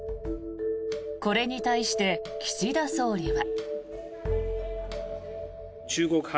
これに対して岸田総理は。